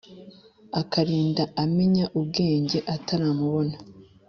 akarinda amenya ubwenge ataramubona.